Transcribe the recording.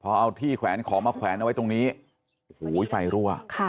พอเอาที่ขอมาแขวนเอาไว้ตรงนี้โห้ยไฟรั่ว